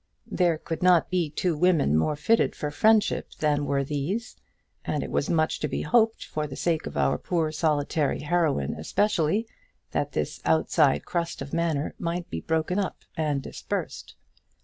There could not be two women more fitted for friendship than were these, and it was much to be hoped, for the sake of our poor, solitary heroine especially, that this outside crust of manner might be broken up and dispersed.